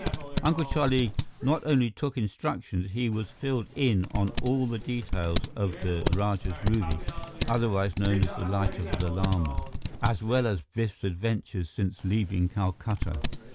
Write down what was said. Uncle Charlie not only took instructions; he was filled in on all the details of the Rajah's ruby, otherwise known as the Light of the Lama, as well as Biff's adventures since leaving Calcutta.